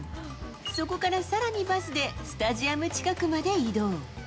そこからさらにバスでスタジアム近くまで移動。